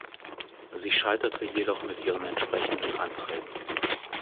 Sie scheiterte jedoch mit ihren entsprechenden Anträgen.